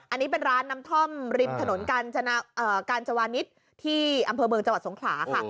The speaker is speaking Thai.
อันนี้เป็นร้านน้ำท่อมริมถนนกาญจวานิสที่อำเภอเมืองจังหวัดสงขลาค่ะ